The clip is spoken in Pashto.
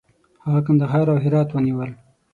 هغه کندهار او هرات ونیول.